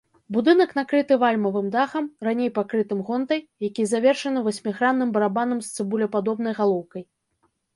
Будынак накрыты вальмавым дахам, раней пакрытым гонтай, які завершаны васьмігранным барабанам з цыбулепадобнай галоўкай.